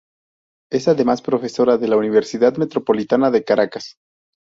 Es además profesora de la Universidad Metropolitana de Caracas.